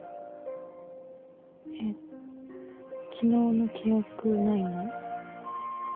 えっ昨日の記憶ないの？